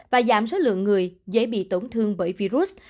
và giảm số lượng người dễ bị tổn thương bởi virus